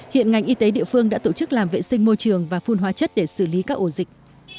hiện ngành y tế địa phương đã tổ chức làm vệ sinh môi trường và phun hóa chất để xử lý các ổ dịch